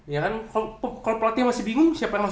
ya kan kalau pelatih masih bingung siapa yang harus